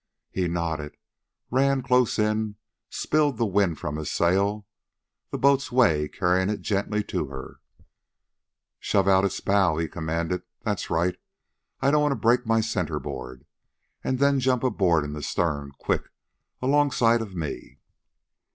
He nodded, ran close in, spilled the wind from his sail, the boat's way carrying it gently to her. "Shove out its bow," he commanded. "That's right. I don't want to break my centerboard.... An' then jump aboard in the stern quick! alongside of me."